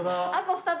２つ。